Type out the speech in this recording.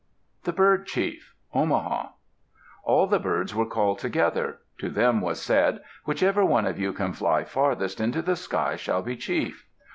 THE BIRD CHIEF Omaha All the birds were called together. To them was said, "Whichever one of you can fly farthest into the sky shall be chief."